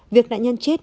việc nạn nhân chết